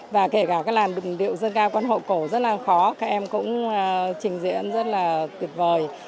và kể cả các làn điệu dân ca quan hộ cổ rất là khó các em cũng trình diễn rất là tuyệt vời